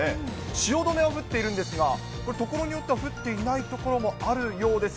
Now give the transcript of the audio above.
汐留は降っているんですが、これ、所によっては降っていない所もあるようです。